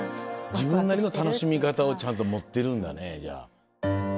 自分なりの楽しみ方をちゃんと持ってるんだね。